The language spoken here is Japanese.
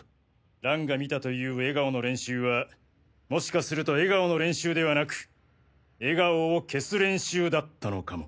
蘭が見たという笑顔の練習はもしかすると笑顔の練習ではなく笑顔を消す練習だったのかも。